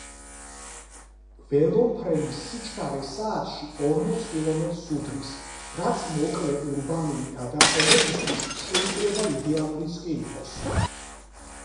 ველომფრენის სიჩქარე საათში ორმოც კილომეტრს უდრის, რაც მოკლე ურბანული გადაფრენებისთვის შეიძლება იდეალურიც კი იყოს.